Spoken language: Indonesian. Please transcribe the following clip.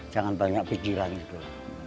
jangan banyak pikiran itu